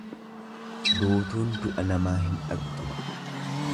Duutuun du'a namaa hin dhaqxu.